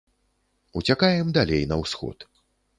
Уцякаем далей на ўсход.